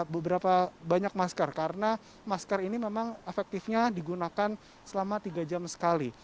beberapa banyak masker karena masker ini memang efektifnya digunakan selama tiga jam sekali